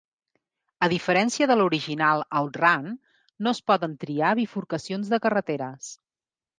A diferència de l'original "Out Run", no es poden triar bifurcacions de carreteres.